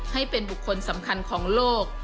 ให้เป็นบุคคลสำคัญของโลก